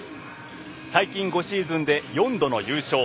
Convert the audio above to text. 最近５シーズンで４度の優勝。